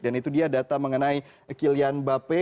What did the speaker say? dan itu dia data mengenai kylian mbappe